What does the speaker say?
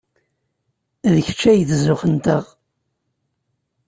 D kečč ay d zzux-nteɣ.